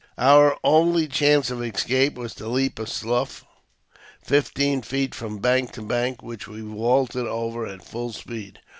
Our only chance of escape was to leap a slough fifteen feet from bank to bank, which we vaulted over at full speed.